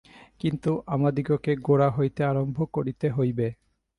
কিন্তু আমাদিগকে গোড়া হইতে আরম্ভ করিতে হইবে।